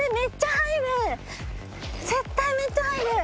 絶対めっちゃ入る。